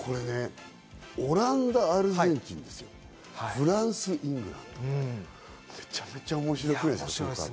オランダ、アルゼンチン、フランス、イングランド、めちゃめちゃ面白い。